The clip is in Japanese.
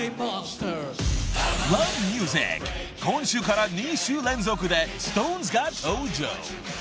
［『Ｌｏｖｅｍｕｓｉｃ』今週から２週連続でＳｉｘＴＯＮＥＳが登場］